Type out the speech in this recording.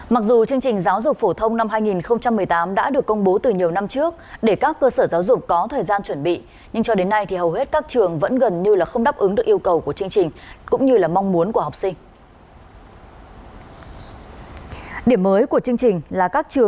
mặc dù chương trình giáo dục phổ thông năm hai nghìn một mươi tám đã được công bố từ nhiều năm trước để các cơ sở giáo dục có thời gian chuẩn bị nhưng cho đến nay thì hầu hết các trường vẫn gần như là không đáp ứng được yêu cầu của chương trình cũng như là mong muốn của học sinh